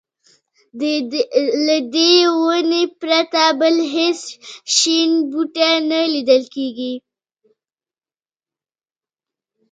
له دې ونې پرته بل هېڅ شین بوټی نه لیدل کېږي.